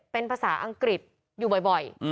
เป็นภาษาอังกฤษอยู่บ่อย